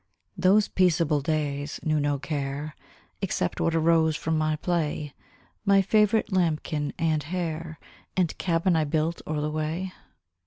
Those peaceable days knew no care, Except what arose from my play, My favourite lambkin and hare, And cabin I built o'er the way.